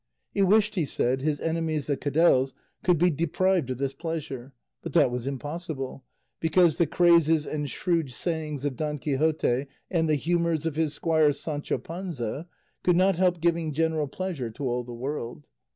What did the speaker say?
He wished, he said, his enemies the Cadells could be deprived of this pleasure; but that was impossible, because the crazes and shrewd sayings of Don Quixote and the humours of his squire Sancho Panza could not help giving general pleasure to all the world.